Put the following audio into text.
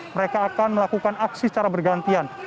mereka akan melakukan aksi secara bergantian